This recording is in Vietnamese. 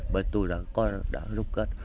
bởi tôi đã rút kết